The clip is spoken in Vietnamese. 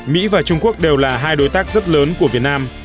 mỹ và trung quốc đều là hai đối tác rất lớn của việt nam